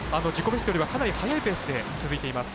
ベストよりはかなり速いペースで続いています。